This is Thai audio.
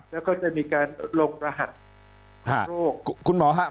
แล้วก็จะมีการลงรหัสโรค